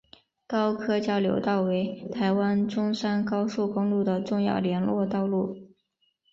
高科交流道为台湾中山高速公路的重要联络道路。